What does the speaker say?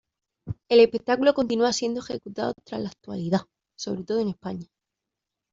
El espectáculo continúa siendo ejecutado hasta la actualidad, sobre todo en España.